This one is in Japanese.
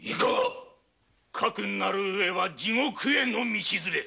かくなる上は地獄の道連れ。